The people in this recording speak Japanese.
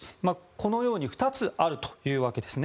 このように２つあるんです。